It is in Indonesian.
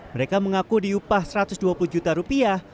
mereka mengaku diupah satu ratus dua puluh juta rupiah